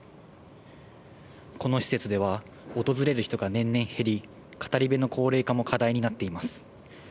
この施設では、訪れる人が年々減り、語り部の高齢化も課題になっています。